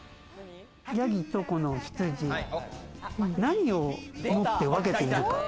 ヤギとこのヒツジ、何をもって分けているか？